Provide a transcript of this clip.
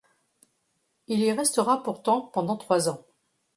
Il y restera pourtant pendant trois ans.